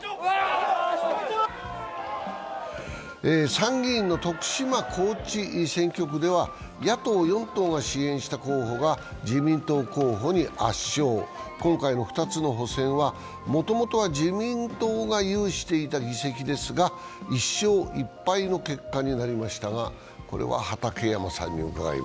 参議院の徳島・高知選挙区では野党４党が支援した候補が自民党候補に圧勝、今回の２つの補選は、もともとは自民党が有していた議席ですが１勝１敗の結果になりましたが。